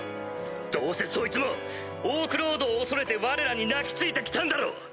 どうせそいつもオークロードを恐れてわれらに泣き付いて来たんだろう？